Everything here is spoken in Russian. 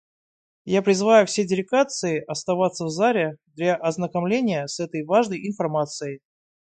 Я призываю все делегации оставаться в зале для ознакомления с этой важной информацией.